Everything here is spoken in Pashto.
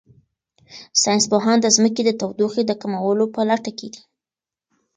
ساینس پوهان د ځمکې د تودوخې د کمولو په لټه کې دي.